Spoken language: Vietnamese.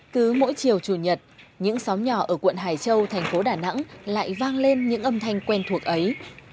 cứ mỗi chiều chủ nhật những xóm nhỏ ở quận hải châu thành phố đà nẵng lại vang lên những âm thanh quen thuộc ấy